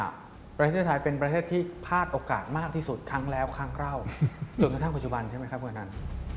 ประเทศไทยเป็นประเทศที่พลาดโอกาสมากที่สุดครั้งแล้วครั้งเล่าจนกระทั่งปัจจุบันใช่ไหมครับคุณอนัน